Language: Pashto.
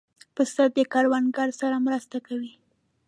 پسه د کروندګر سره مرسته کوي.